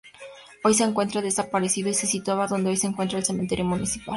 Hoy se encuentra desaparecido y se situaba donde hoy se encuentra el cementerio municipal.